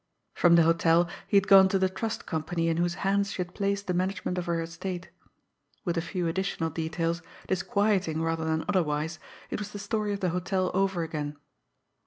From the hotel he had gone to the trust company in whose hands she had placed the management of her estate. With a few additional details, disquieting rather than otherwise, it was the story of the hotel over again.